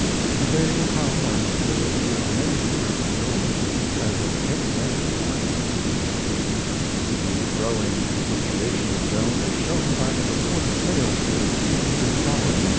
A day will come when there will be as many readers of Joan as of any other of Mark Twain's works. [The growing appreciation of Joan is shown by the report of sales for the three years following 1904.